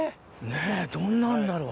ねぇどんなんだろう。